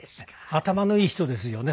頭のいい人ですよね